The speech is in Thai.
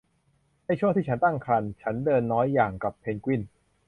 ในช่วงที่ฉันตั้งครรภ์ ฉันเดินน้อยอย่างกับเพนกวิน